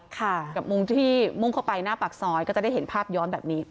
กับมุมที่มุ่งเข้าไปหน้าปากซอยก็จะได้เห็นภาพย้อนแบบนี้